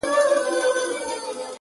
• په تور لحد کي به نارې کړم,